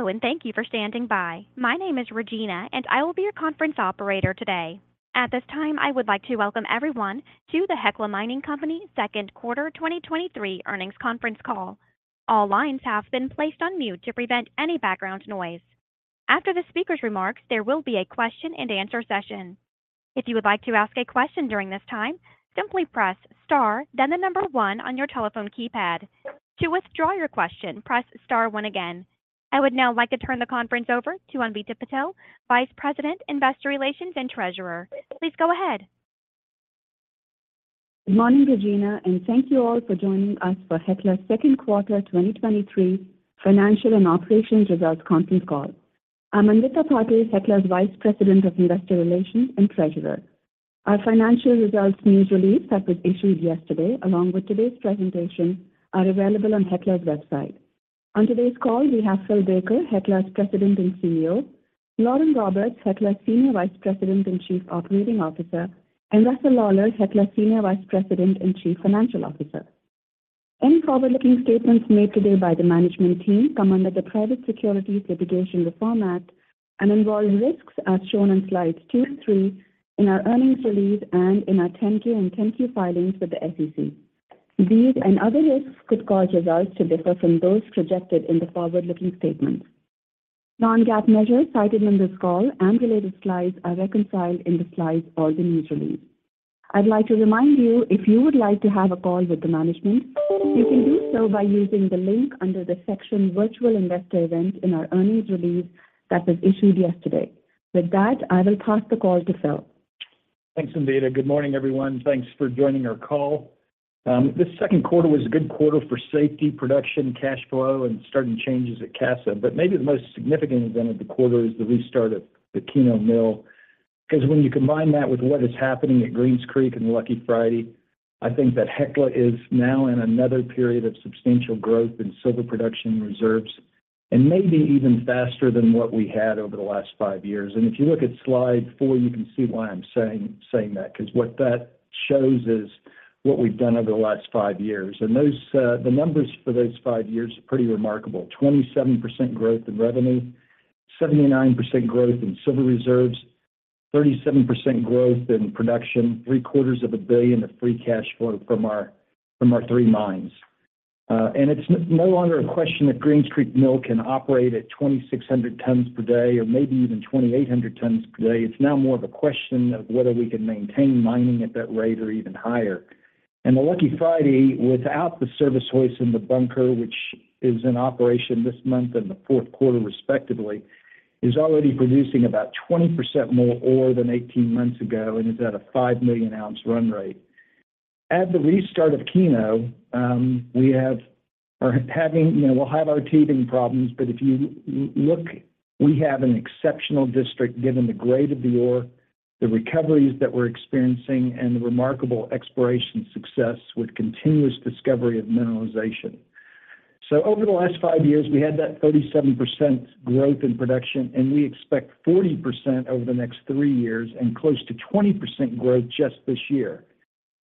Hello, and thank you for standing by. My name is Regina, and I will be your conference operator today. At this time, I would like to welcome everyone to the Hecla Mining Company second quarter 2023 earnings conference call. All lines have been placed on mute to prevent any background noise. After the speaker's remarks, there will be a question-and-answer session. If you would like to ask a question during this time, simply press Star, then the number one on your telephone keypad. To withdraw your question, press Star one again. I would now like to turn the conference over to Anvita Patel, Vice President, Investor Relations and Treasurer. Please go ahead. Good morning, Regina, thank you all for joining us for Hecla's second quarter 2023 financial and operations results conference call. I'm Anvita Patel, Hecla's Vice President of Investor Relations and Treasurer. Our financial results news release that was issued yesterday, along with today's presentation, are available on Hecla's website. On today's call, we have Phil Baker, Hecla's President and CEO, Lauren Roberts, Hecla's Senior Vice President and Chief Operating Officer, and Russell Lawler, Hecla's Senior Vice President and Chief Financial Officer. Any forward-looking statements made today by the management team come under the Private Securities Litigation Reform Act and involve risks as shown on slides 2 and 3 in our earnings release and in our 10-K and 10-Q filings with the SEC. These and other risks could cause results to differ from those projected in the forward-looking statements. Non-GAAP measures cited in this call and related slides are reconciled in the slides or the news release. I'd like to remind you, if you would like to have a call with the management, you can do so by using the link under the section Virtual Investor Events in our earnings release that was issued yesterday. With that, I will pass the call to Phil. Thanks, Anvita. Good morning, everyone. Thanks for joining our call. This second quarter was a good quarter for safety, production, cash flow, and starting changes at Casa, but maybe the most significant event of the quarter is the restart of the Keno Mill. When you combine that with what is happening at Greens Creek and the Lucky Friday, I think that Hecla is now in another period of substantial growth in silver production reserves, and maybe even faster than what we had over the last five years. If you look at slide four, you can see why I'm saying, saying that, 'cause what that shows is what we've done over the last five years. Those, the numbers for those five years are pretty remarkable. 27% growth in revenue, 79% growth in silver reserves, 37% growth in production, $750 million of free cash flow from our, from our three mines. It's no longer a question if Greens Creek Mill can operate at 2,600 tons per day, or maybe even 2,800 tons per day. It's now more of a question of whether we can maintain mining at that rate or even higher. The Lucky Friday, without the service hoist in the bunker, which is in operation this month and the fourth quarter, respectively, is already producing about 20% more ore than 18 months ago and is at a five million ounce run rate. At the restart of Keno, we have... are having, you know, we'll have our teething problems, but if you look, we have an exceptional district, given the grade of the ore, the recoveries that we're experiencing, and the remarkable exploration success with continuous discovery of mineralization. Over the last five years, we had that 37% growth in production, and we expect 40% over the next three years and close to 20% growth just this year.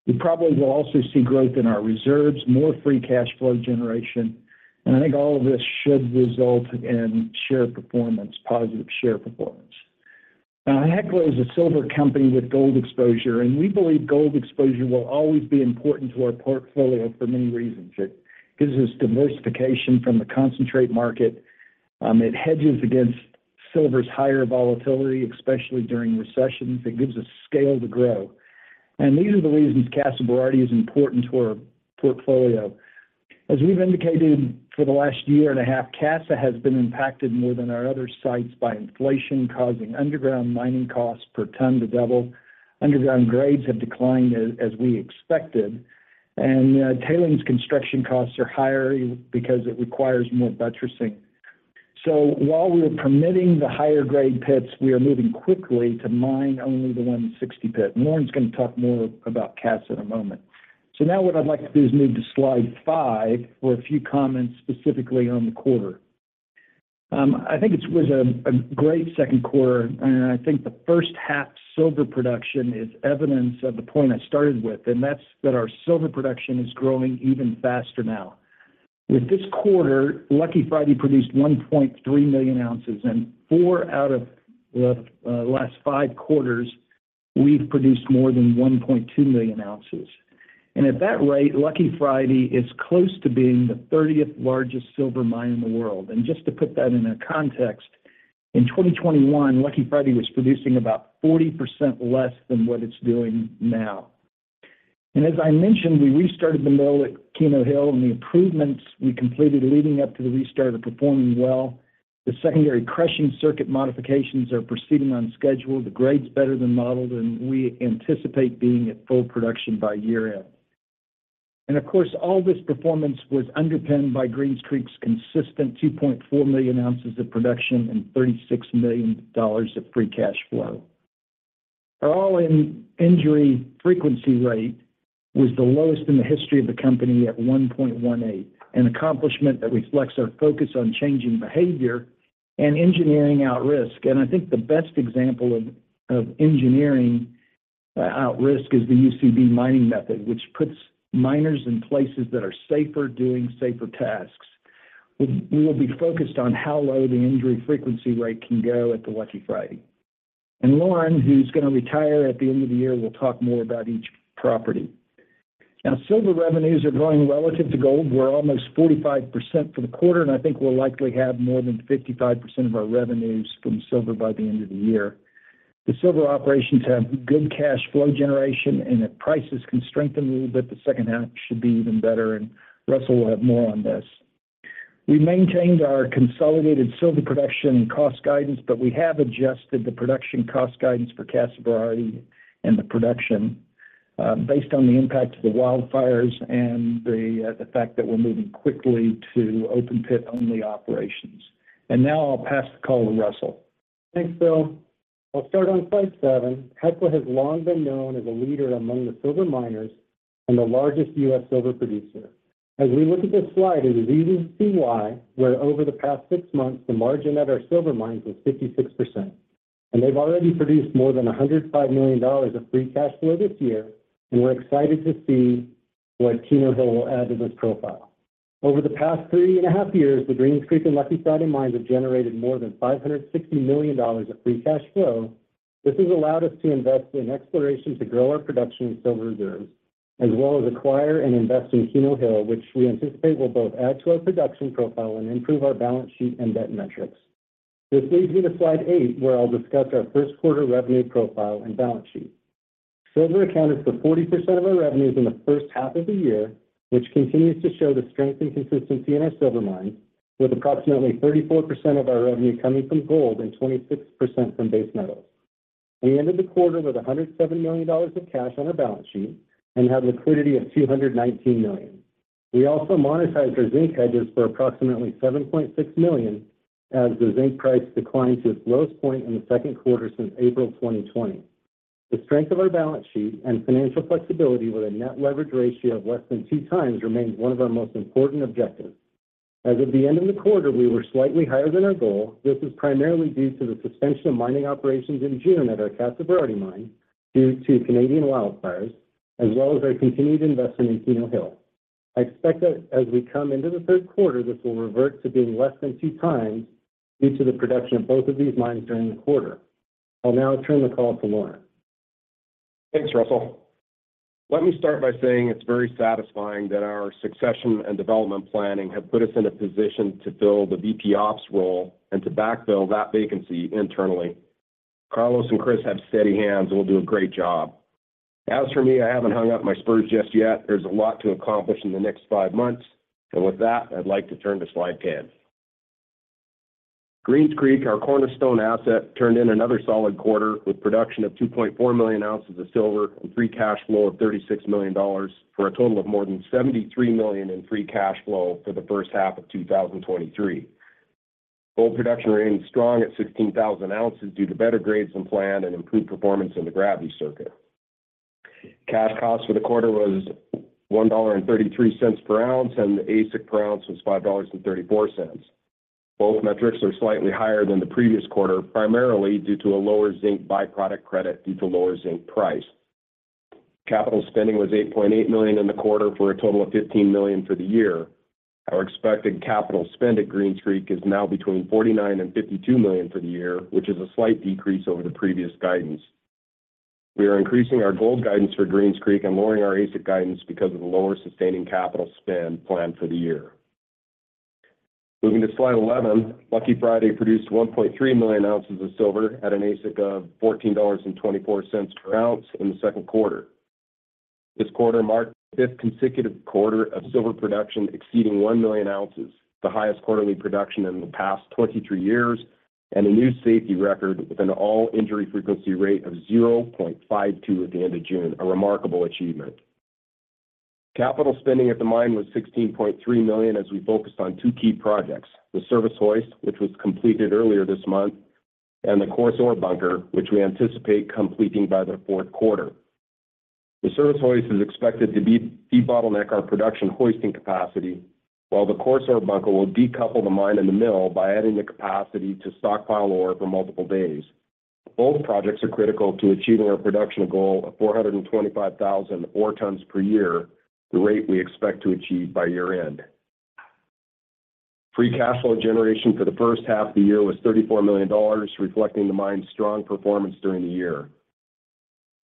We probably will also see growth in our reserves, more free cash flow generation, and I think all of this should result in share performance, positive share performance. Hecla is a silver company with gold exposure, and we believe gold exposure will always be important to our portfolio for many reasons. It gives us diversification from the concentrate market, it hedges against silver's higher volatility, especially during recessions, it gives us scale to grow. These are the reasons Casa Berardi is important to our portfolio. As we've indicated for the last year and a half, Casa has been impacted more than our other sites by inflation, causing underground mining costs per ton to double. Underground grades have declined as, as we expected, and tailings construction costs are higher because it requires more buttressing. While we are permitting the higher grade pits, we are moving quickly to mine only the 160 pit. Lauren's going to talk more about Casa in a moment. Now what I'd like to do is move to slide five for a few comments specifically on the quarter. I think it was a great second quarter, and I think the first half silver production is evidence of the point I started with, and that's that our silver production is growing even faster now. With this quarter, Lucky Friday produced 1.3 million ounces, four out of the last five quarters, we've produced more than 1.2 million ounces. At that rate, Lucky Friday is close to being the thirtieth largest silver mine in the world. Just to put that into context, in 2021, Lucky Friday was producing about 40% less than what it's doing now. As I mentioned, we restarted the mill at Keno Hill, and the improvements we completed leading up to the restart are performing well. The secondary crushing circuit modifications are proceeding on schedule, the grade's better than modeled, and we anticipate being at full production by year-end. Of course, all this performance was underpinned by Greens Creek's consistent 2.4 million ounces of production and $36 million of free cash flow. Our All-Injury Frequency Rate was the lowest in the history of the company at 1.18, an accomplishment that reflects our focus on changing behavior and engineering out risk. I think the best example of engineering at risk is the UCB mining method, which puts miners in places that are safer, doing safer tasks. We will be focused on how low the injury frequency rate can go at the Lucky Friday. Lauren, who's going to retire at the end of the year, will talk more about each property. Now, silver revenues are growing relative to gold. We're almost 45% for the quarter, and I think we'll likely have more than 55% of our revenues from silver by the end of the year. The silver operations have good cash flow generation. If prices can strengthen a little bit, the second half should be even better. Russell will have more on this. We maintained our consolidated silver production and cost guidance. We have adjusted the production cost guidance for Casa Berardi and the production based on the impact of the wildfires and the fact that we're moving quickly to open pit-only operations. Now I'll pass the call to Russell. Thanks, Bill. I'll start on slide seven. Hecla has long been known as a leader among the silver miners and the largest U.S. silver producer. As we look at this slide, it is easy to see why we're over the past six months, the margin at our silver mines was 56%, and they've already produced more than $105 million of free cash flow this year. We're excited to see what Keno Hill will add to this profile. Over the past three and a half years, the Greens Creek and Lucky Friday mines have generated more than $560 million of free cash flow. This has allowed us to invest in exploration to grow our production and silver reserves, as well as acquire and invest in Keno Hill, which we anticipate will both add to our production profile and improve our balance sheet and debt metrics. This leads me to slide eight, where I'll discuss our first quarter revenue profile and balance sheet. Silver accounted for 40% of our revenues in the first half of the year, which continues to show the strength and consistency in our silver mines, with approximately 34% of our revenue coming from gold and 26% from base metals. We ended the quarter with $107 million of cash on our balance sheet and have liquidity of $219 million. We also monetized our zinc hedges for approximately $7.6 million, as the zinc price declined to its lowest point in the second quarter since April 2020. The strength of our balance sheet and financial flexibility with a net leverage ratio of less than two times remains one of our most important objectives. As of the end of the quarter, we were slightly higher than our goal. This is primarily due to the suspension of mining operations in June at our Casa Berardi mine due to Canadian wildfires, as well as our continued investment in Keno Hill. I expect that as we come into the third quarter, this will revert to being less than two times due to the production of both of these mines during the quarter. I'll now turn the call to Lauren. Thanks, Russell. Let me start by saying it's very satisfying that our succession and development planning have put us in a position to fill the VP Ops role and to backfill that vacancy internally. Carlos and Chris have steady hands and will do a great job. As for me, I haven't hung up my spurs just yet. There's a lot to accomplish in the next five months, and with that, I'd like to turn to slide 10. Greens Creek, our cornerstone asset, turned in another solid quarter with production of 2.4 million ounces of silver and free cash flow of $36 million, for a total of more than $73 million in free cash flow for the first half of 2023. Gold production remained strong at 16,000 ounces due to better grades than planned and improved performance in the gravity circuit. Cash cost for the quarter was $1.33 per ounce, and the AISC per ounce was $5.34. Both metrics are slightly higher than the previous quarter, primarily due to a lower zinc byproduct credit due to lower zinc price. Capital spending was $8.8 million in the quarter, for a total of $15 million for the year. Our expected capital spend at Greens Creek is now between $49 million-$52 million for the year, which is a slight decrease over the previous guidance. We are increasing our gold guidance for Greens Creek and lowering our AISC guidance because of the lower sustaining capital spend planned for the year. Moving to slide 11, Lucky Friday produced 1.3 million ounces of silver at an AISC of $14.24 per ounce in the second quarter. This quarter marked the fifth consecutive quarter of silver production, exceeding one million ounces, the highest quarterly production in the past 23 years, and a new safety record with an All-Injury Frequency Rate of 0.52 at the end of June, a remarkable achievement. Capital spending at the mine was $16.3 million as we focused on two key projects: the service hoist, which was completed earlier this month, and the coarse ore bunker, which we anticipate completing by the fourth quarter. The service hoist is expected to debottleneck our production hoisting capacity, while the coarse ore bunker will decouple the mine and the mill by adding the capacity to stockpile ore for multiple days. Both projects are critical to achieving our production goal of 425,000 ore tons per year, the rate we expect to achieve by year-end. Free cash flow generation for the first half of the year was $34 million, reflecting the mine's strong performance during the year.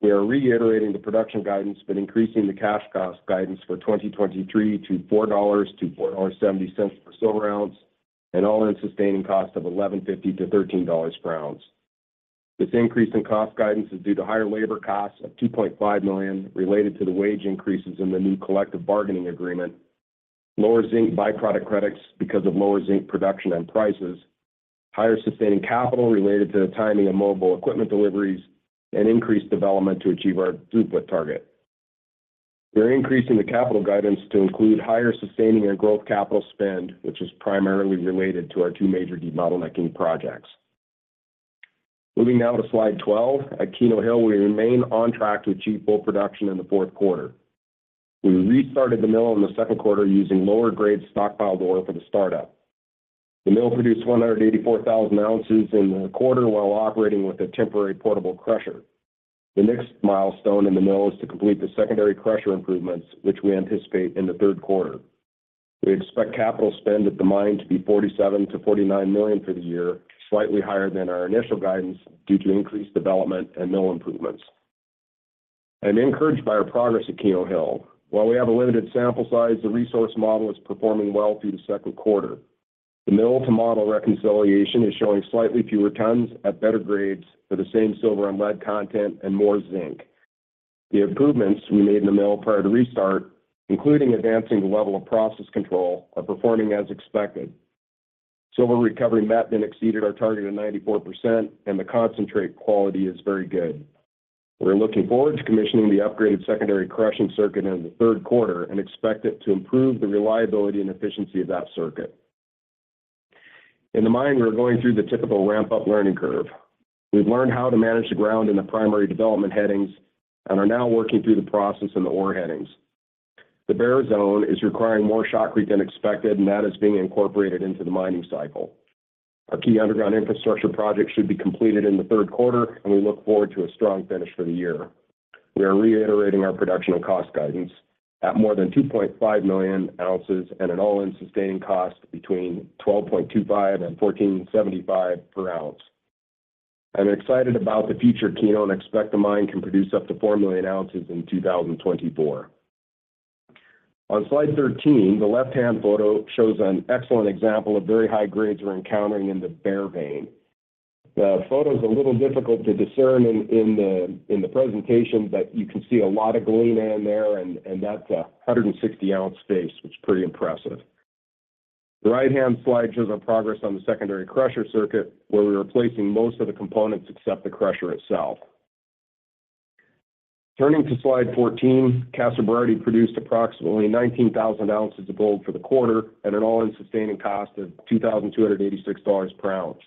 We are reiterating the production guidance, increasing the cash cost guidance for 2023 to $4.00-$4.70 per silver ounce and all-in sustaining cost of $11.50-$13.00 per ounce. This increase in cost guidance is due to higher labor costs of $2.5 million related to the wage increases in the new collective bargaining agreement, lower zinc byproduct credits because of lower zinc production and prices, higher sustaining capital related to the timing of mobile equipment deliveries, and increased development to achieve our throughput target. We're increasing the capital guidance to include higher sustaining and growth capital spend, which is primarily related to our two major debottlenecking projects. Moving now to slide 12, at Keno Hill, we remain on track to achieve full production in the fourth quarter. We restarted the mill in the second quarter using lower-grade stockpiled ore for the start-up. The mill produced 184,000 ounces in the quarter while operating with a temporary portable crusher. The next milestone in the mill is to complete the secondary crusher improvements, which we anticipate in the third quarter. We expect capital spend at the mine to be $47 million-$49 million for the year, slightly higher than our initial guidance, due to increased development and mill improvements. I'm encouraged by our progress at Keno Hill. While we have a limited sample size, the resource model is performing well through the second quarter. The mill-to-model reconciliation is showing slightly fewer tons at better grades for the same silver and lead content and more zinc. The improvements we made in the mill prior to restart, including advancing the level of process control, are performing as expected. Silver recovery met and exceeded our target of 94%, and the concentrate quality is very good. We're looking forward to commissioning the upgraded secondary crushing circuit in the third quarter and expect it to improve the reliability and efficiency of that circuit. In the mine, we are going through the typical ramp-up learning curve. We've learned how to manage the ground in the primary development headings and are now working through the process in the ore headings. The Bear Zone is requiring more shotcrete than expected, and that is being incorporated into the mining cycle. Our key underground infrastructure project should be completed in the third quarter, and we look forward to a strong finish for the year. We are reiterating our production and cost guidance at more than 2.5 million ounces and an all-in sustaining cost between $12.25 and $14.75 per ounce. I'm excited about the future of Keno and expect the mine can produce up to 4 million ounces in 2024. On slide 13, the left-hand photo shows an excellent example of very high grades we're encountering in the Bear Vein. The photo's a little difficult to discern in the presentation, but you can see a lot of glean in there, and that's a 160-ounce space, which is pretty impressive. The right-hand slide shows our progress on the secondary crushing circuit, where we're replacing most of the components except the crusher itself. Turning to slide 14, Casa Berardi produced approximately 19,000 ounces of gold for the quarter at an all-in sustaining cost of $2,286 per ounce.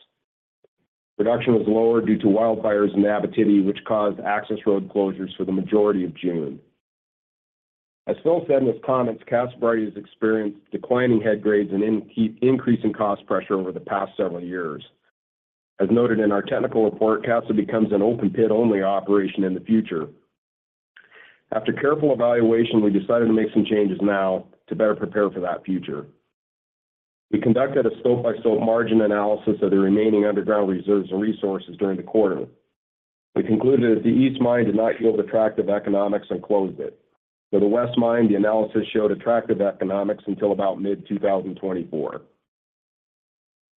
Production was lower due to wildfires in Abitibi, which caused access road closures for the majority of June. As Phil said in his comments, Casa Berardi has experienced declining head grades and increasing cost pressure over the past several years. As noted in our technical report, Casa becomes an open pit-only operation in the future. After careful evaluation, we decided to make some changes now to better prepare for that future. We conducted a stope-by-stope margin analysis of the remaining underground reserves and resources during the quarter. We concluded that the East Mine did not yield attractive economics and closed it. For the West Mine, the analysis showed attractive economics until about mid-2024.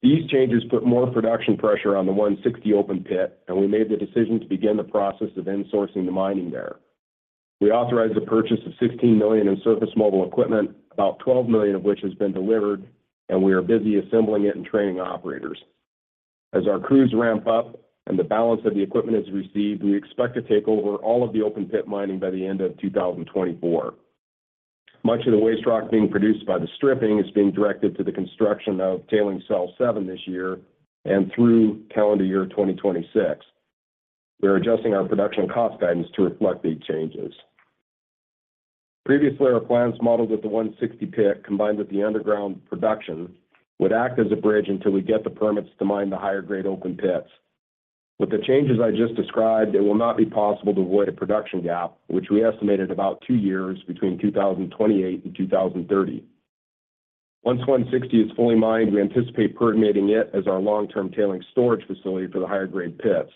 These changes put more production pressure on the One Sixty Pit, and we made the decision to begin the process of insourcing the mining there. We authorized the purchase of $16 million in surface mobile equipment, about $12 million of which has been delivered, and we are busy assembling it and training operators. As our crews ramp up and the balance of the equipment is received, we expect to take over all of the open pit mining by the end of 2024. Much of the waste rock being produced by the stripping is being directed to the construction of tailing Cell seven this year and through calendar year 2026. We're adjusting our production cost guidance to reflect these changes. Previously, our plans modeled with the 160 pit, combined with the underground production, would act as a bridge until we get the permits to mine the higher-grade open pits. With the changes I just described, it will not be possible to avoid a production gap, which we estimated about two years between 2028 and 2030. Once 160 is fully mined, we anticipate permitting it as our long-term tailing storage facility for the higher-grade pits.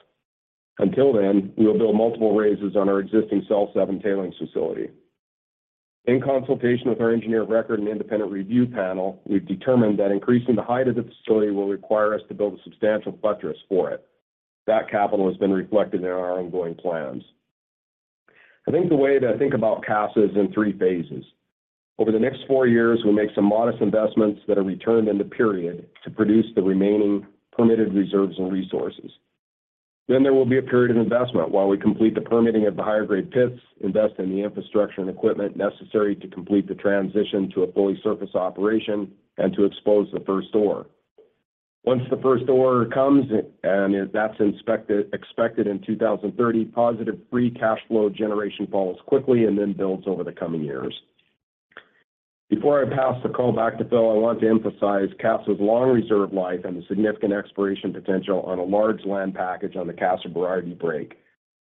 Until then, we will build multiple raises on our existing Cell seven tailings facility. In consultation with our Engineer of Record and Independent Review Panel, we've determined that increasing the height of the facility will require us to build a substantial buttress for it. That capital has been reflected in our ongoing plans. I think the way to think about Casa is in 3 phases. Over the next four years, we'll make some modest investments that are returned in the period to produce the remaining permitted reserves and resources. There will be a period of investment while we complete the permitting of the higher-grade pits, invest in the infrastructure and equipment necessary to complete the transition to a fully surface operation, and to expose the first ore. Once the first ore comes, and that's expected in 2030, positive free cash flow generation follows quickly and then builds over the coming years. Before I pass the call back to Phil, I want to emphasize Casa's long reserve life and the significant exploration potential on a large land package on the Casa Berardi break.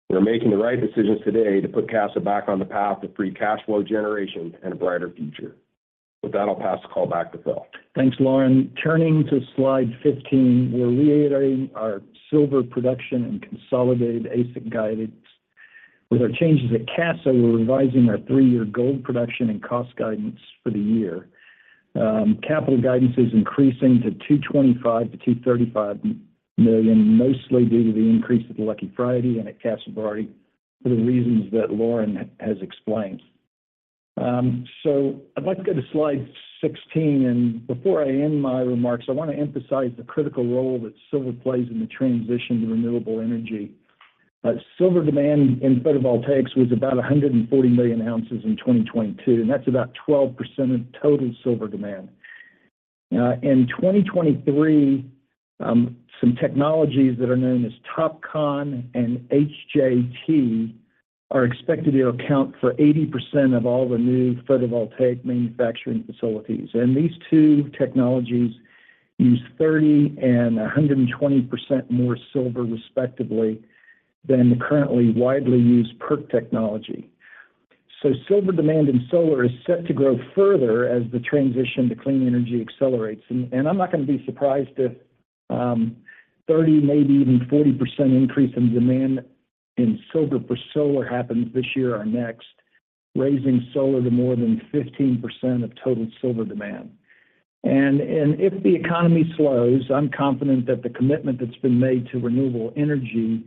We're making the right decisions today to put Casa back on the path of free cash flow generation and a brighter future. With that, I'll pass the call back to Phil. Thanks, Lauren. Turning to slide 15, we're reiterating our silver production and consolidated AISC guidance. With our changes at Casa, we're revising our three-year gold production and cost guidance for the year. Capital guidance is increasing to $225 million-$235 million, mostly due to the increase at the Lucky Friday and at Casa Berardi for the reasons that Lauren has explained. I'd like to go to slide 16, and before I end my remarks, I want to emphasize the critical role that silver plays in the transition to renewable energy. Silver demand in photovoltaics was about 140 million ounces in 2022, and that's about 12% of total silver demand. In 2023, some technologies that are known as TOPCon and HJT- are expected to account for 80% of all the new photovoltaic manufacturing facilities. These two technologies use 30% and 120% more silver, respectively, than the currently widely used PERC technology. Silver demand in solar is set to grow further as the transition to clean energy accelerates. I'm not going to be surprised if 30%, maybe even 40% increase in demand in silver per solar happens this year or next, raising solar to more than 15% of total silver demand. If the economy slows, I'm confident that the commitment that's been made to renewable energy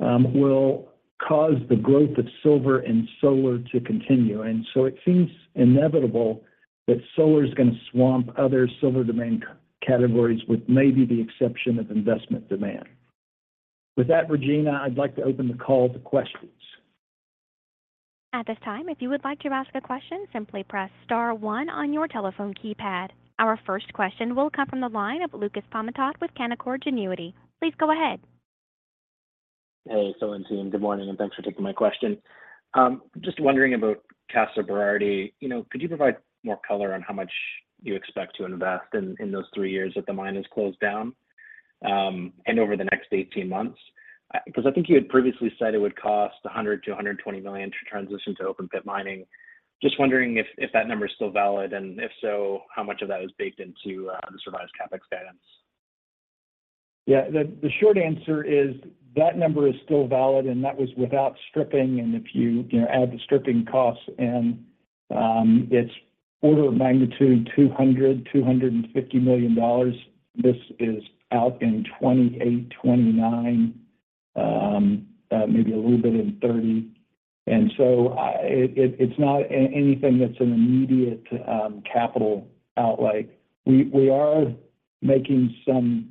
will cause the growth of silver and solar to continue. It seems inevitable that solar is going to swamp other silver demand categories, with maybe the exception of investment demand. With that, Regina, I'd like to open the call to questions. At this time, if you would like to ask a question, simply press star one on your telephone keypad. Our first question will come from the line of Lucas Pamatat with Canaccord Genuity. Please go ahead. Good morning, and thanks for taking my question. Just wondering about Casa Berardi. You know, could you provide more color on how much you expect to invest in, in those 3 years that the mine is closed down, and over the next 18 months? Because I think you had previously said it would cost $100 million-$220 million to transition to open-pit mining. Just wondering if, if that number is still valid, and if so, how much of that is baked into the revised CapEx guidance? Yeah, the short answer is that number is still valid, and that was without stripping. If you, you know, add the stripping costs and it's order of magnitude, $200 million-$250 million. This is out in 2028, 2029, maybe a little bit in 2030. So it's not anything that's an immediate capital outlay. We are making some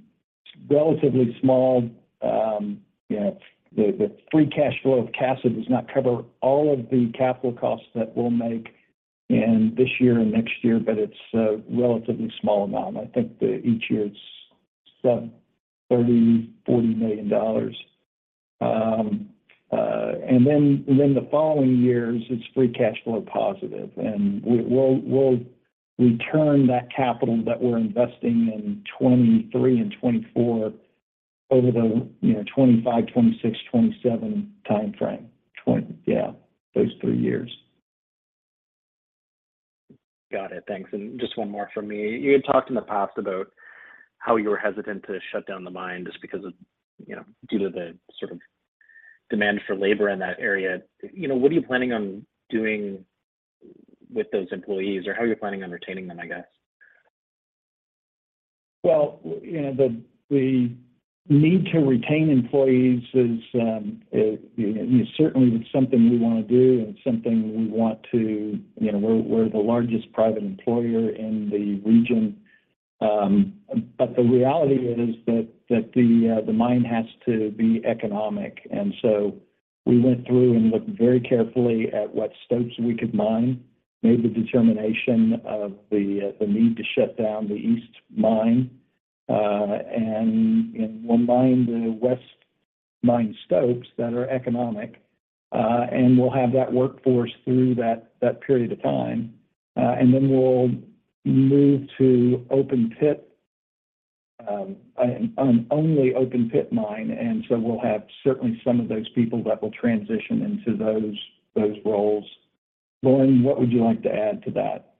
relatively small, you know. The free cash flow of Casa does not cover all of the capital costs that we'll make in this year and next year, but it's a relatively small amount. I think that each year it's some $30 million-$40 million. Then the following years, it's free cash flow positive, and we'll, we'll return that capital that we're investing in 2023 and 2024 over the, you know, 2025, 2026, 2027 time frame. 20, yeah, those three years. Got it. Thanks. Just one more from me. You had talked in the past about how you were hesitant to shut down the mine just because of, you know, due to the sort of demand for labor in that area. You know, what are you planning on doing with those employees, or how are you planning on retaining them, I guess? Well, you know, the, the need to retain employees is, you know, certainly something we want to do and something we want to, you know, we're, we're the largest private employer in the region. The reality is that, that the mine has to be economic. So we went through and looked very carefully at what stopes we could mine, made the determination of the need to shut down the East Mine, and we'll mine the West Mine stopes that are economic. We'll have that workforce through that, that period of time, and then we'll move to open pit, an only open-pit mine. So we'll have certainly some of those people that will transition into those, those roles. Warren, what would you like to add to that?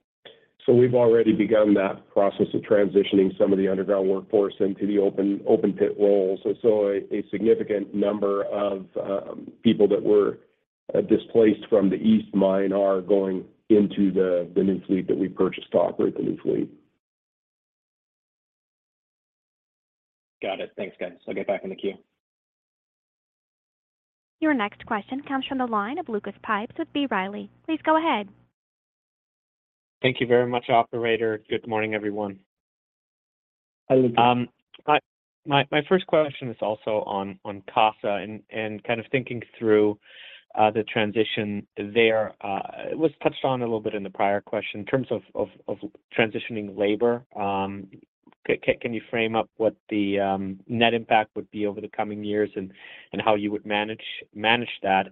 We've already begun that process of transitioning some of the underground workforce into the open, open-pit roles. A significant number of people that were displaced from the East Mine are going into the new fleet that we purchased to operate the new fleet. Got it. Thanks, guys. I'll get back in the queue. Your next question comes from the line of Lucas Pipes with B. Riley. Please go ahead. Thank you very much, operator. Good morning, everyone. Hi, Lucas. My, my, my first question is also on, on Casa and, and kind of thinking through the transition there. It was touched on a little bit in the prior question in terms of, of, of transitioning labor. Can you frame up what the net impact would be over the coming years and, and how you would manage, manage that?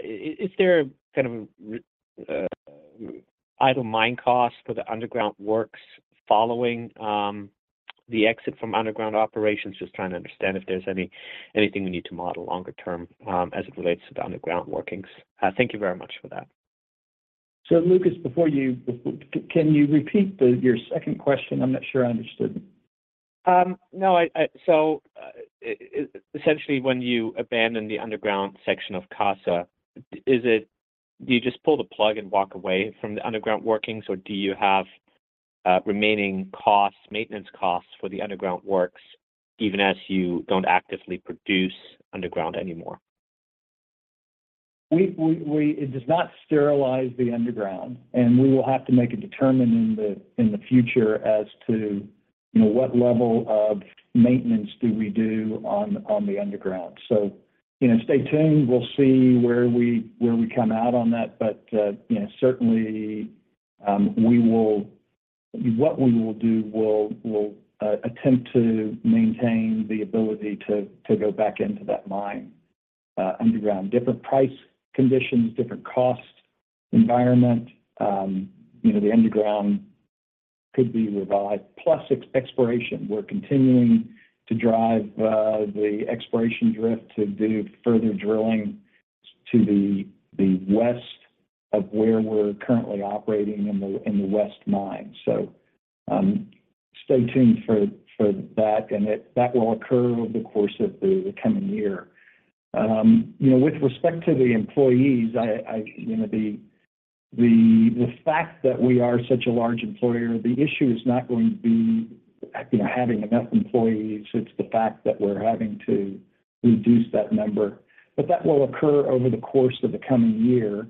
Is there kind of idle mine cost for the underground works following the exit from underground operations? Just trying to understand if there's anything we need to model longer term as it relates to the underground workings. Thank you very much for that. Lucas, before you... can you repeat the, your second question? I'm not sure I understood it. No, essentially, when you abandon the underground section of Casa, is it, do you just pull the plug and walk away from the underground workings, or do you have remaining costs, maintenance costs for the underground works, even as you don't actively produce underground anymore? It does not sterilize the underground. We will have to make a determine in the, in the future as to, you know, what level of maintenance do we do on, on the underground. You know, stay tuned. We'll see where we, where we come out on that. You know, certainly, what we will do, we'll, we'll attempt to maintain the ability to, to go back into that mine, underground. Different price conditions, different cost environment, you know, the underground could be revived, plus exploration. We're continuing to drive the exploration drift to do further drilling to the, the west of where we're currently operating in the, in the West Mine. Stay tuned for, for that, and that will occur over the course of the coming year. You know, with respect to the employees, I, I, you know, the, the, the fact that we are such a large employer, the issue is not going to be, you know, having enough employees, it's the fact that we're having to reduce that number. That will occur over the course of the coming year.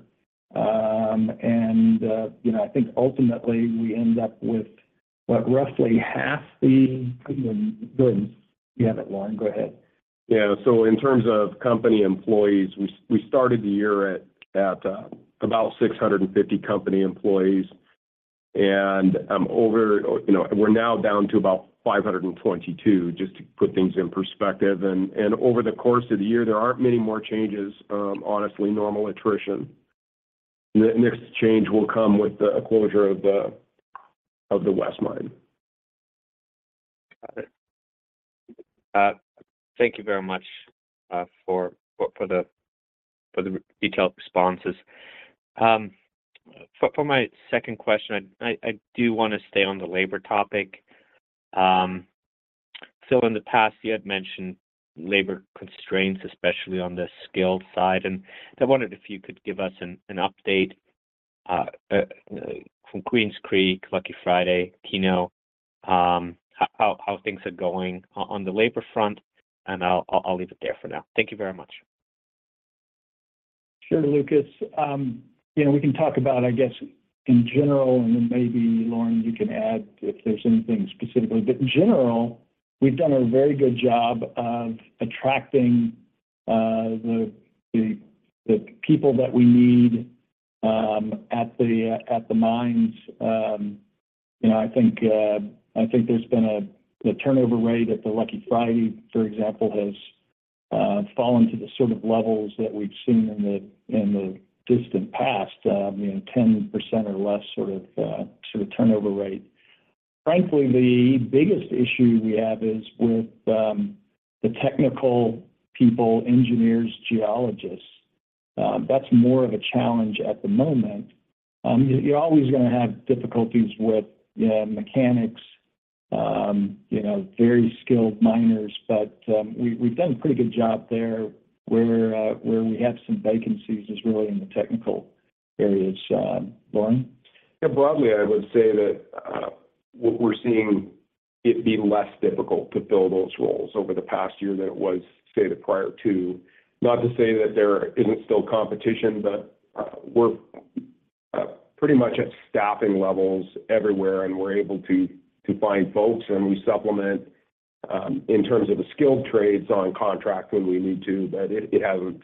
You know, I think ultimately, we end up with, what? Roughly half the, you know, the... You have it, Lauren, go ahead. Yeah. In terms of company employees, we, we started the year at, at about 650 company employees, and, over, you know, we're now down to about 522, just to put things in perspective. over the course of the year, there aren't many more changes, honestly, normal attrition. The next change will come with the closure of the, of the West Mine. Got it. Thank you very much for the detailed responses. For my second question, I do wanna stay on the labor topic. So in the past, you had mentioned labor constraints, especially on the skilled side, and I wondered if you could give us an update from Greens Creek, Lucky Friday, Keno, how things are going on the labor front, and I'll leave it there for now. Thank you very much. Sure, Lucas. You know, we can talk about, I guess, in general, and then maybe, Lauren, you can add if there's anything specifically. But in general, we've done a very good job of attracting, the, the, the people that we need, at the, at the mines. You know, I think, I think there's been a, the turnover rate at the Lucky Friday, for example, has fallen to the sort of levels that we've seen in the, in the distant past, you know, 10% or less sort of, sort of turnover rate. Frankly, the biggest issue we have is with, the technical people, engineers, geologists. That's more of a challenge at the moment. You're always gonna have difficulties with mechanics, you know, very skilled miners, but we've done a pretty good job there, where we have some vacancies is really in the technical areas. Lauren? Yeah, broadly, I would say that what we're seeing it be less difficult to fill those roles over the past year than it was, say, the prior to. Not to say that there isn't still competition, but we're pretty much at staffing levels everywhere, and we're able to, to find folks, and we supplement in terms of the skilled trades on contract when we need to, but it, it hasn't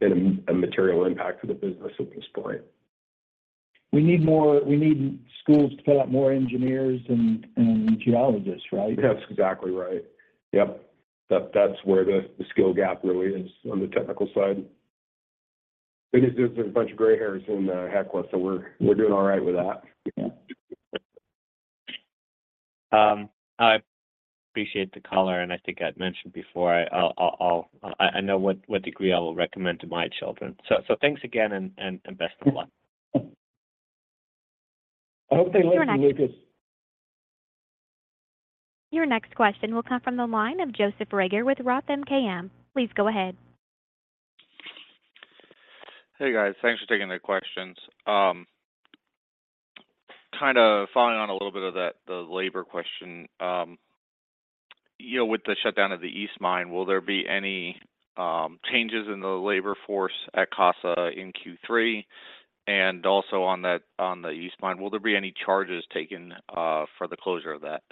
been a, a material impact to the business at this point. We need schools to put out more engineers and geologists, right? That's exactly right. Yep. That, that's where the, the skill gap really is on the technical side. There's, there's a bunch of gray hairs in the head count, so we're, we're doing all right with that. Yeah. I appreciate the color, and I think I'd mentioned before, I know what, what degree I will recommend to my children. Thanks again, and, and, and best of luck. I hope they like it, Lucas. Your next question will come from the line of Joseph Reager with Roth MKM. Please go ahead. Hey, guys. Thanks for taking the questions. Kind of following on a little bit of that, the labor question, you know, with the shutdown of the East Mine, will there be any changes in the labor force at Casa in Q3? Also on that, on the East Mine, will there be any charges taken for the closure of that?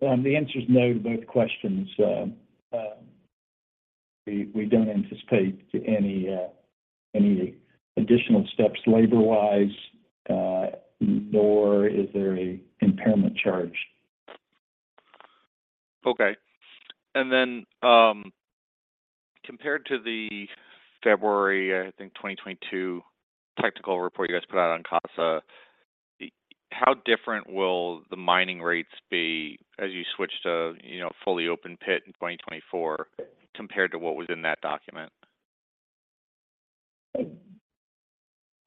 The answer is no to both questions. We, we don't anticipate any additional steps labor-wise, nor is there a impairment charge. Okay. Compared to the February, I think, 2022 technical report you guys put out on Casa, how different will the mining rates be as you switch to, you know, fully open pit in 2024, compared to what was in that document?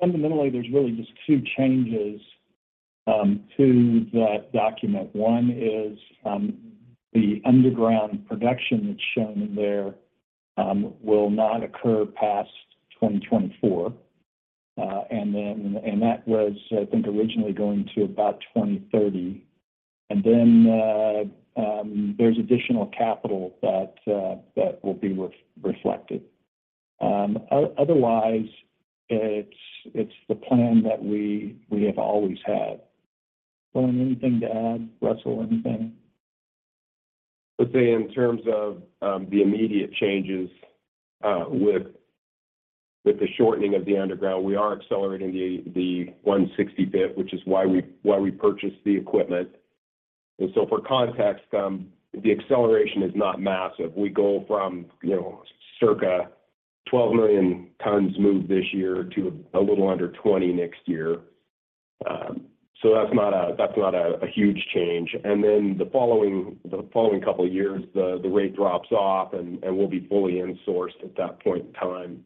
Fundamentally, there's really just two changes to that document. One is, the underground production that's shown in there, will not occur past 2024. That was, I think, originally going to about 2030. There's additional capital that, that will be re-reflected. Otherwise, it's, it's the plan that we, we have always had. Lauren, anything to add? Russell, anything? I would say in terms of the immediate changes, with, with the shortening of the underground, we are accelerating the, the one sixty pit, which is why we, why we purchased the equipment. For context, the acceleration is not massive. We go from, you know, circa 12 million tons moved this year to a little under 20 next year. So that's not a, that's not a, a huge change. Then the following, the following couple of years, the, the rate drops off, and, and we'll be fully in sourced at that point in time.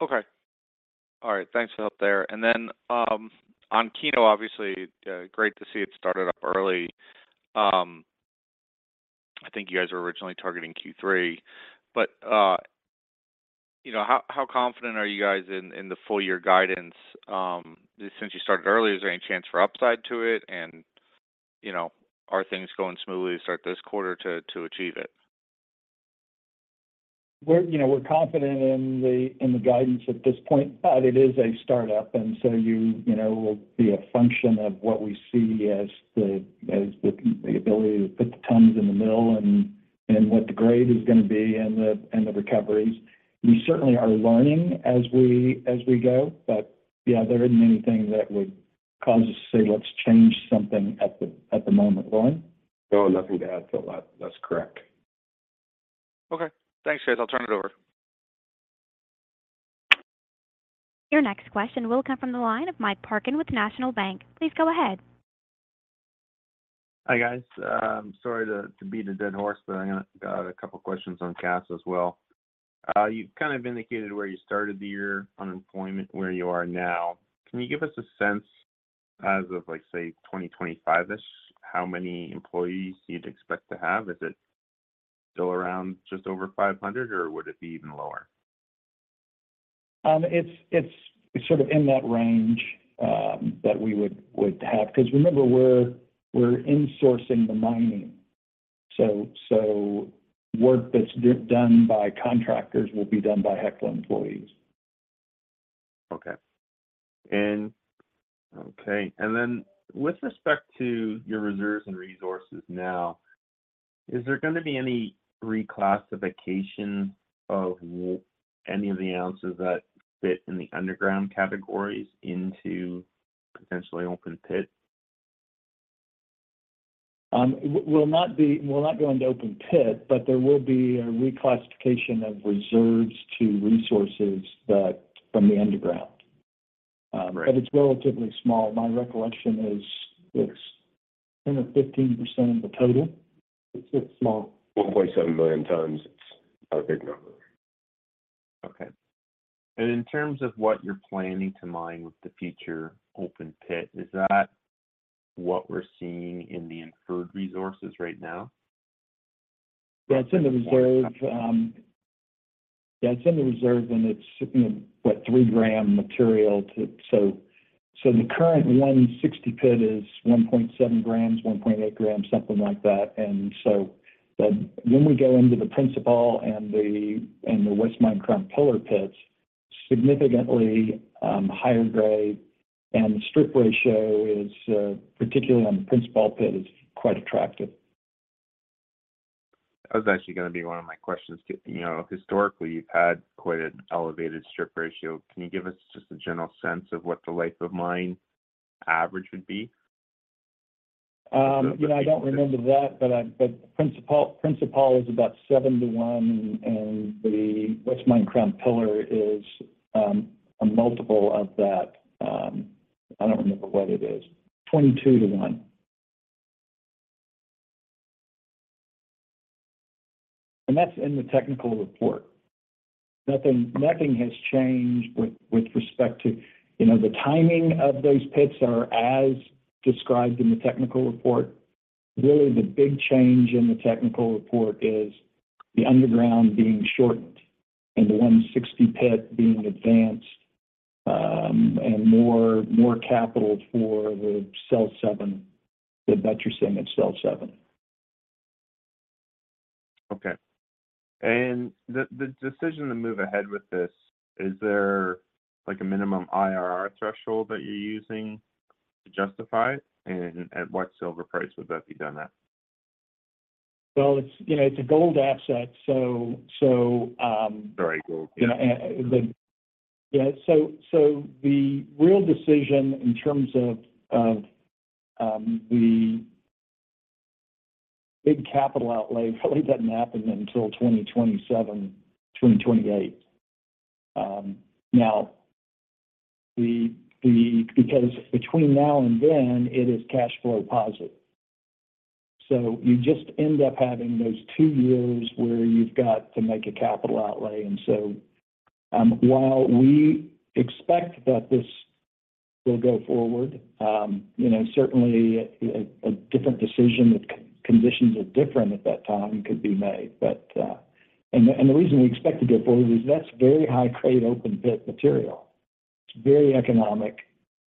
Okay. All right, thanks for help there. Then, on Keno, obviously, great to see it started up early. I think you guys were originally targeting Q3, you know, how, how confident are you guys in, in the full year guidance since you started early, is there any chance for upside to it? You know, are things going smoothly to start this quarter to, to achieve it? We're, you know, we're confident in the, in the guidance at this point, but it is a start up, and so you, you know, will be a function of what we see as the, as the, the ability to put the tons in the mill and, and what the grade is gonna be and the, and the recoveries. We certainly are learning as we, as we go, but yeah, there isn't anything that would cause us to say, let's change something at the, at the moment. Lauren? No, nothing to add to a lot. That's correct. Okay. Thanks, guys. I'll turn it over. Your next question will come from the line of Mike Parkin with National Bank. Please go ahead. Hi, guys. sorry to, to beat a dead horse, but I got a couple of questions on Casa as well. you've kind of indicated where you started the year, unemployment, where you are now. Can you give us a sense as of, say, 2025-ish, how many employees you'd expect to have? Is it still around just over 500, or would it be even lower? It's, it's sort of in that range that we would, we'd have. Remember, we're insourcing the mining. Work that's done by contractors will be done by Hecla employees. Okay. Okay, and then with respect to your reserves and resources now, is there gonna be any reclassification of any of the ounces that fit in the underground categories into potentially open pit? We'll not be, we'll not go into open pit, but there will be a reclassification of reserves to resources that from the underground. Right. It's relatively small. My recollection is it's 10% or 15% of the total. It's, it's small. 1.7 million tons. It's not a big number. Okay. In terms of what you're planning to mine with the future open pit, is that what we're seeing in the inferred resources right now? Yeah, it's in the reserve. Yeah, it's in the reserve, and it's, you know, what, 3-gram material to, so, so the current 160 pit is 1.7 grams, 1.8 grams, something like that. When we go into the Principal and the, and the West Mine Crown Pillar pits, significantly higher grade, and the strip ratio is, particularly on the Principal pit, is quite attractive. That was actually gonna be one of my questions. You know, historically, you've had quite an elevated strip ratio. Can you give us just a general sense of what the life of mine average would be? You know, I don't remember that, but I-- but Principal, Principal is about seven to one, and the West Mine Crown Pillar is a multiple of that. I don't remember what it is. 22 to 1. That's in the technical report. Nothing, nothing has changed with, with respect to... You know, the timing of those pits are as described in the technical report. Really, the big change in the technical report is the underground being shortened and the 160 pit being advanced, and more, more capital for the Cell 7, the vet you're seeing at Cell 7. Okay. the, the decision to move ahead with this, is there, like, a minimum IRR threshold that you're using to justify it? At what silver price would that be done at? Well, it's, you know, it's a gold asset, so, so. Very gold. You know, the real decision in terms of, of the big capital outlay really doesn't happen until 2027, 2028. Now, between now and then, it is cash flow positive. You just end up having those 2 years where you've got to make a capital outlay. While we expect that this will go forward, you know, certainly a different decision, if conditions are different at that time, could be made. The reason we expect to go forward is that's very high-grade open pit material. It's very economic,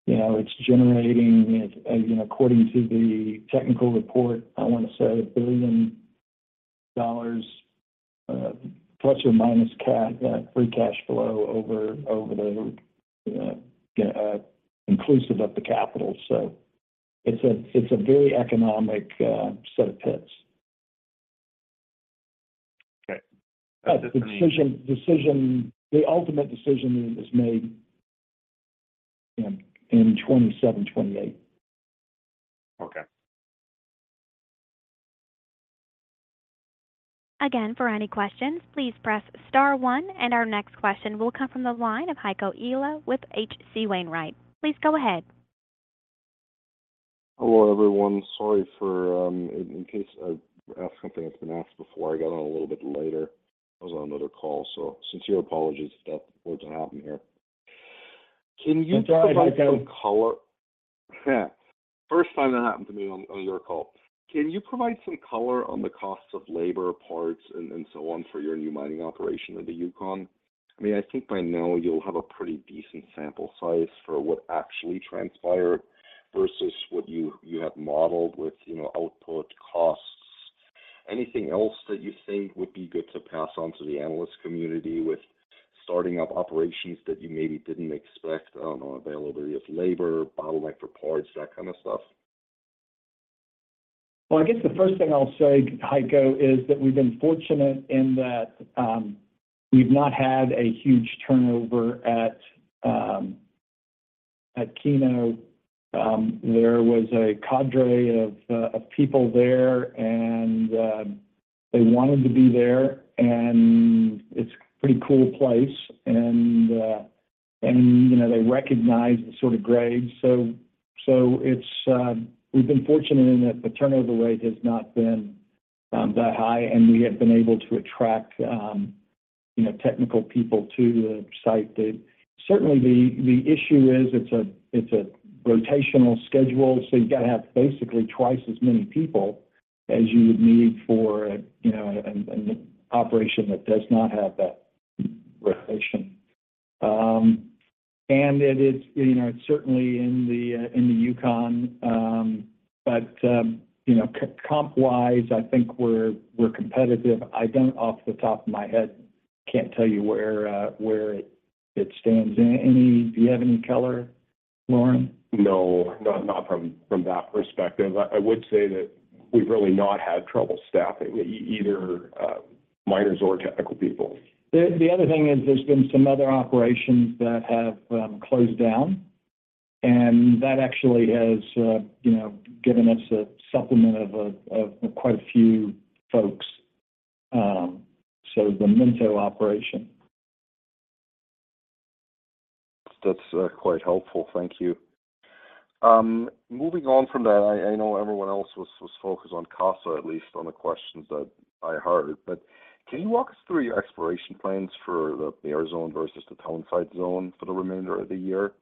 you know, it's generating, you know, according to the technical report, I want to say $1 billion plus or minus free cash flow over, over the inclusive of the capital. It's a very economic set of pits. Okay. The decision, decision, the ultimate decision is made in, in 2027, 2028. Okay. Again, for any questions, please press star 1, our next question will come from the line of Heiko Ihle with H.C. Wainwright. Please go ahead. Hello, everyone. Sorry for, in case I asked something that's been asked before, I got on a little bit later. I was on another call, so sincere apologies if that were to happen here. Can you provide some color- Hi, Heiko. Yeah. First time that happened to me on, on your call. Can you provide some color on the costs of labor, parts, and, and so on for your new mining operation in the Yukon? I mean, I think by now you'll have a pretty decent sample size for what actually transpired versus what you, you had modeled with, you know, output costs. Anything else that you think would be good to pass on to the analyst community with starting up operations that you maybe didn't expect? I don't know, availability of labor, bottleneck for parts, that kind of stuff. Well, I guess the first thing I'll say, Heiko, is that we've been fortunate in that we've not had a huge turnover at Keno. There was a cadre of people there, and they wanted to be there, and it's a pretty cool place, and, you know, they recognize the sort of grades. We've been fortunate in that the turnover rate has not been that high, and we have been able to attract, you know, technical people to the site. Certainly, the, the issue is it's a, it's a rotational schedule, so you've got to have basically twice as many people as you would need for a, you know, an, an operation that does not have that rotation. It is, you know, it's certainly in the, in the Yukon, but, you know, c-comp-wise, I think we're, we're competitive. I don't, off the top of my head, can't tell you where, where it, it stands. Any, do you have any color, Lauren? No, not, not from, from that perspective. I, I would say that we've really not had trouble staffing, either, miners or technical people. The, the other thing is there's been some other operations that have closed down, and that actually has, you know, given us a supplement of quite a few folks, so the Minto operation. That's quite helpful. Thank you. Moving on from that, I, I know everyone else was, was focused on Casa, at least on the questions that I heard. Can you walk us through your exploration plans for the Bear Zone versus the Townsite Zone for the remainder of the year?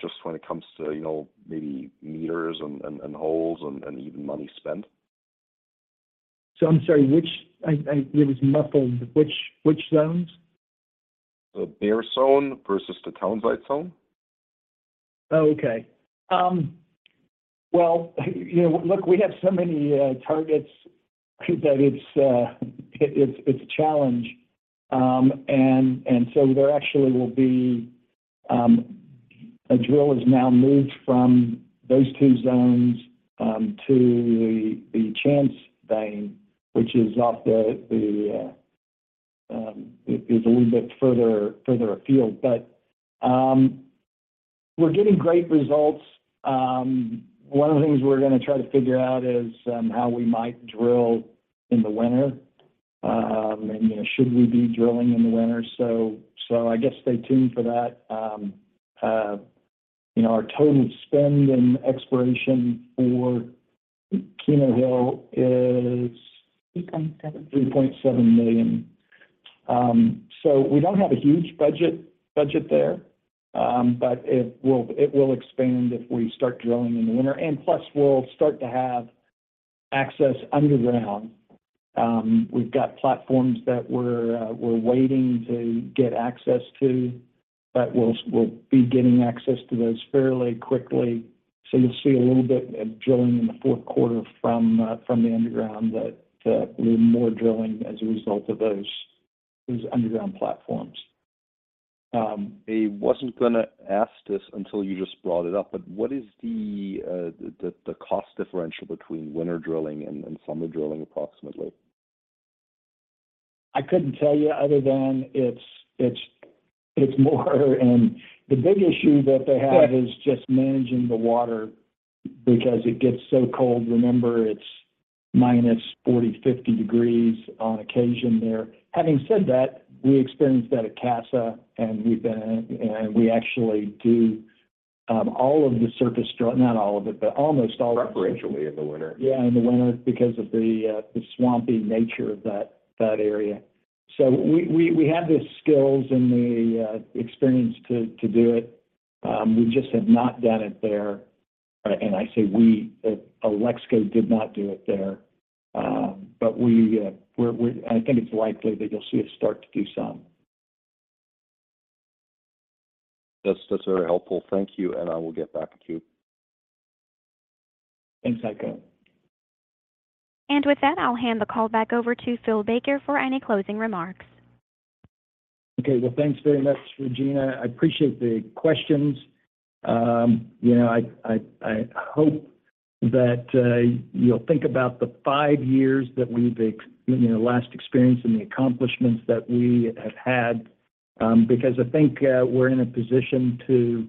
just when it comes to, you know, maybe meters and, and, and holes and, and even money spent? I'm sorry, which? I, I, it was muffled. Which, which zones? The Bear Zone versus the Townsite Zone. Oh, okay. Well, you know, look, we have so many targets that it's, it's, it's a challenge. And so there actually will be a drill is now moved from those two zones to the Chance vein, which is off the, is a little bit further, further afield. We're getting great results. One of the things we're going to try to figure out is how we might drill in the winter. You know, should we be drilling in the winter? I guess stay tuned for that. You know, our total spend in exploration for Keno Hill is- 3.7. $3.7 million. We don't have a huge budget, budget there, but it will, it will expand if we start drilling in the winter, and plus, we'll start to have access underground. We've got platforms that we're waiting to get access to, but we'll, we'll be getting access to those fairly quickly. You'll see a little bit of drilling in the fourth quarter from the underground that more drilling as a result of those, those underground platforms. I wasn't going to ask this until you just brought it up, but what is the, the, the cost differential between winter drilling and, and summer drilling, approximately? I couldn't tell you other than it's, it's, it's more, and the big issue that they have... Sure... is just managing the water because it gets so cold. Remember, it's minus 40, 50 degrees on occasion there. Having said that, we experienced that at Casa, and we've been, and we actually do, all of the surface not all of it, but almost all- Preferentially in the winter. Yeah, in the winter, because of the swampy nature of that, that area. We, we, we have the skills and the experience to, to do it. We just have not done it there. I say we, Alexco did not do it there. We, we're I think it's likely that you'll see us start to do some. That's, that's very helpful. Thank you. I will get back to you. Thanks, Heiko. With that, I'll hand the call back over to Phil Baker for any closing remarks. Okay. Well, thanks very much, Regina. I appreciate the questions. You know, I, I, I hope that you'll think about the five years that we've you know, last experienced and the accomplishments that we have had. Because I think we're in a position to,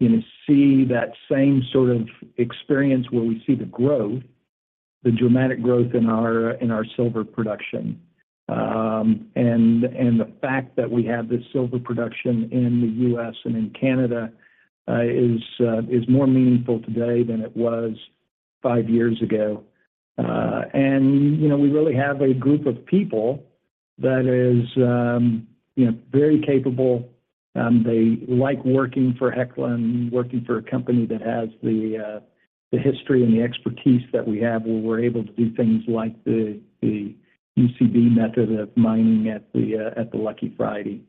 you know, see that same sort of experience where we see the growth, the dramatic growth in our, in our silver production. The fact that we have this silver production in the US and in Canada is more meaningful today than it was five years ago. You know, we really have a group of people that is, you know, very capable. They like working for Hecla and working for a company that has the history and the expertise that we have, where we're able to do things like the UCB method of mining at the Lucky Friday.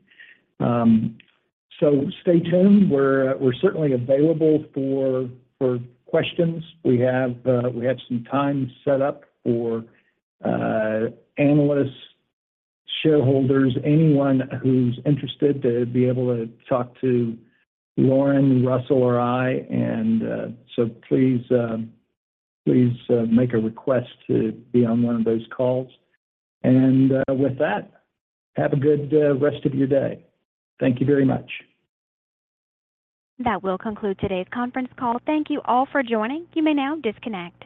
Stay tuned. We're, we're certainly available for, for questions. We have, we have some time set up for analysts, shareholders, anyone who's interested to be able to talk to Lauren, Russell, or I. Please, please make a request to be on one of those calls. With that, have a good rest of your day. Thank you very much. That will conclude today's conference call. Thank you all for joining. You may now disconnect.